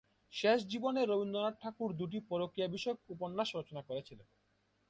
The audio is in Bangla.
শেষ জীবনে রবীন্দ্রনাথ ঠাকুর দুটি পরকীয়া-বিষয়ক উপন্যাস রচনা করেছিলেন।